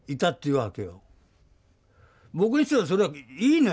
僕にしてはそれはいいのよ。